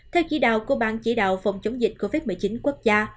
theo chỉ đạo của ban chỉ đạo phòng chống dịch covid một mươi chín quốc gia